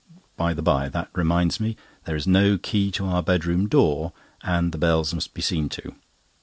By the by, that reminds me there is no key to our bedroom door, and the bells must be seen to.